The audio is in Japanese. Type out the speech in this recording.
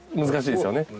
難しいですよね。